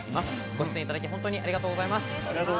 ご出演いただき本当にありがとうございます。